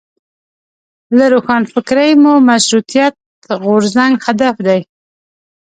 له روښانفکرۍ مو مشروطیت غورځنګ هدف دی.